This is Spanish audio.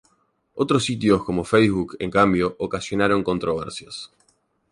Otros sitios como Facebook, en cambio, ocasionaron controversias.